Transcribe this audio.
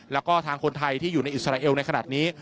แล้วก็ทางคนไทยที่อยู่ในอิสราเอลในขณะนี้